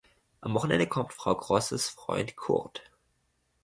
Am Wochenende kommt Frau Grosses Freund Kurt.